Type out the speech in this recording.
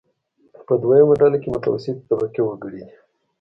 په دویمه ډله کې متوسطې طبقې وګړي دي.